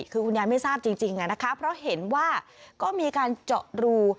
คือคุณยายไม่ทราบจริงนะคะเพราะเห็นว่าก็มีการเจาะรู